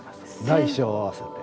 大小合わせて。